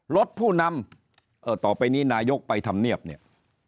ผู้นำต่อไปนี้นายกไปทำเนียบเนี่ย